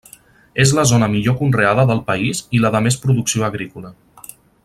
És la zona millor conreada del país i la de més producció agrícola.